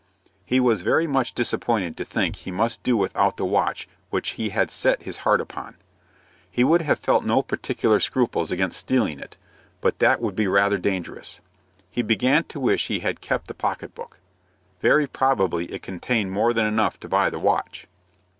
He was very much disappointed to think he must do without the watch which he had set his heart upon. He would have felt no particular scruples against stealing it, but that would be rather dangerous. He began to wish he had kept the pocket book. Very probably it contained more than enough to buy the watch.